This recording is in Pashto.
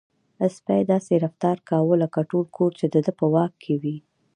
سپی داسې رفتار کاوه لکه ټول کور چې د ده په واک کې وي.